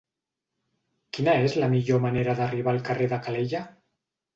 Quina és la millor manera d'arribar al carrer de Calella?